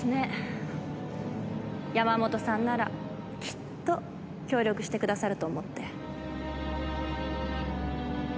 山本さんならきっと協力してくださると思って。